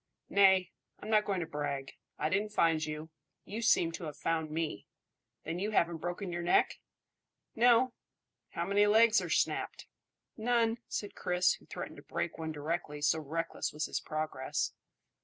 "Nay! I'm not going to brag. I didn't find you; you seem to have found me. Then you haven't broken your neck?" "No." "How many legs are snapped?" "None," said Chris, who threatened to break one directly, so reckless was his progress.